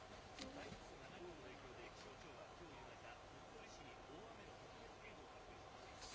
台風７号の影響で、気象庁はきょう夕方、鳥取市に大雨の特別警報を発表しました。